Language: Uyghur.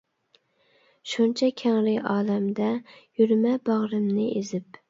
شۇنچە كەڭرى ئالەمدە، يۈرمە باغرىمنى ئېزىپ.